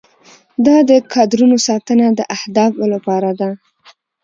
دا د کادرونو ساتنه د اهدافو لپاره ده.